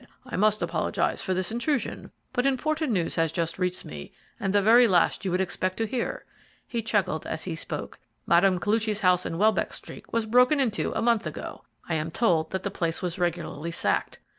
"I must apologize for this intrusion, but important news has just reached me, and the very last you would expect to hear." He chuckled as he spoke. "Mme. Koluchy's house in Welbeck Street was broken into a month ago. I am told that the place was regularly sacked.